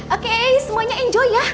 oke semuanya enjoy ya